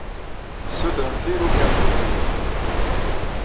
Tessutremt iruka imaynuten.